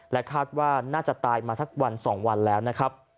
คาดว่าน่าจะตายมาสักวัน๒วันแล้วนะครับ